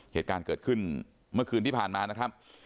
เหตุการณ์เกิดขึ้นเมื่อคืนที่ผ่านมานะครับ